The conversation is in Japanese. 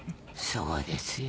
そうですよ。